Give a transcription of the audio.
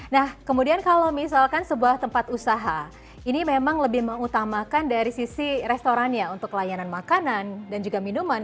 nah kemudian kalau misalkan sebuah tempat usaha ini memang lebih mengutamakan dari sisi restorannya untuk layanan makanan dan juga minuman